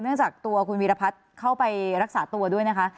จากตัวคุณวีรพัฒน์เข้าไปรักษาตัวด้วยนะคะ